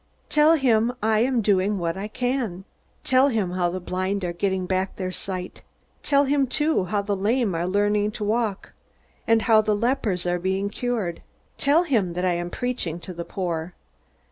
Tell him I am doing what I can. Tell him how the blind are getting back their sight. Tell him too, how the lame are learning to walk, and how the lepers are being cured. Tell him that I am preaching to the poor.